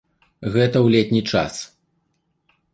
Гэта ў летні час.